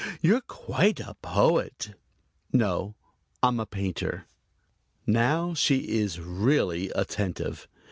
You're quite a poet." "No; I'm a painter." Now she is really attentive.